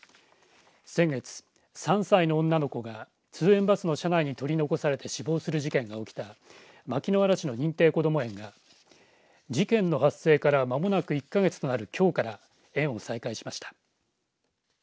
先月３歳の女の子が通園バスの車内に取り残されて死亡する事件が起きた牧之原市の認定こども園が事件の発生から間もなく１か月となるきょうから園を再開しました。